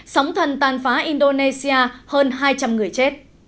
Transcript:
sóng thần tàn phá indonesia hơn hai trăm linh người chết